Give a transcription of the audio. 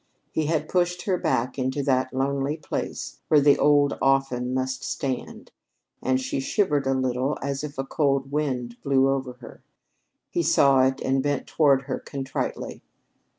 He had pushed her back into that lonely place where the old often must stand, and she shivered a little as if a cold wind blew over her. He saw it and bent toward her contritely.